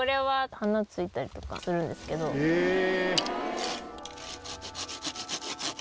「へえ」